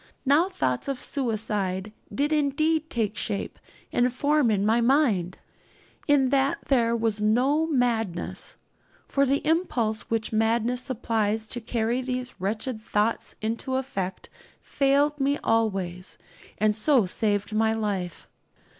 Now thoughts of suicide did indeed take shape and form in my mind. In that there was no madness, for the impulse which madness supplies to carry these wretched thoughts into effect failed me always, and so saved my life.